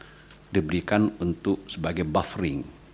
kita diberikan untuk sebagai buffering